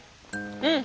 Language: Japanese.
うん。